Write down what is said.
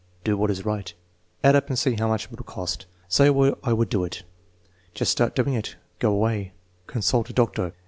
"Do what is right." "Add up and see how much it will cost." "Say I would do it." "Just start doing it." "Go away." "Consult a doc tor."